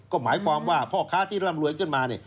ก็หมายความว่าพ่อค้าที่เริ่มรวยขึ้นมา